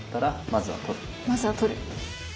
まずは取る。